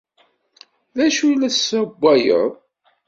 D acu i la tessewwayeḍ?